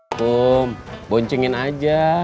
bum boncingin aja